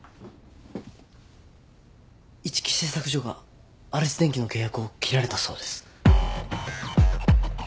一木製作所がアレス電機の契約を切られたそうです。